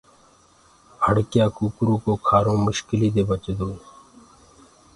هڙڪيآ ڪوُڪرو کآرو مشڪليٚ دي بچدوئي